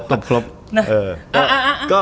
เออ